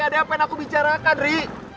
ada yang pengen aku bicarakan ri